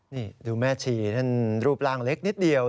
นี่ดูแม่ชีท่านรูปร่างเล็กนิดเดียว